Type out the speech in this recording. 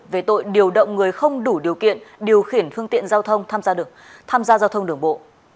về tội điều động người không đủ điều kiện điều khiển phương tiện giao thông tham gia giao thông đường bộ